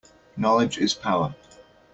Knowledge is power.